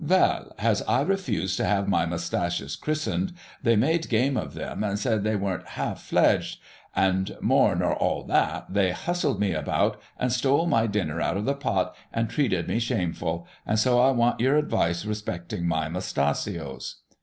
Veil, has I refused to have my mustachios christened, they made game of them, and said they weren't half fledged; and, more nor all that, they hustled me about, and stole my dinner out of the pot, and treated me shameful, and so I want your advice respecting my mustachios.